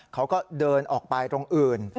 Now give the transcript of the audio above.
เขาก็เดินออกไปตรงอื่น